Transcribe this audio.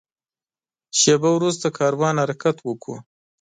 شېبه وروسته کاروان حرکت وکړ.